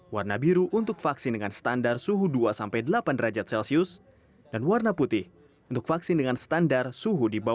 warna biru untuk vaksin dengan standar suhu dua sampai delapan derajat celcius dan warna putih untuk vaksin dengan standar suhu di bawah